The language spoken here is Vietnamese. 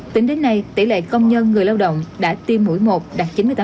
tính đến nay tỷ lệ công nhân người lao động đã tiêm mũi một đạt chín mươi tám